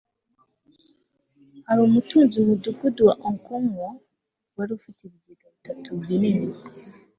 hari umutunzi mu mudugudu wa okonkwo wari ufite ibigega bitatu binini